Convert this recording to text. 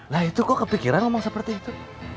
nah itu kok kepikiran ngomong seperti itu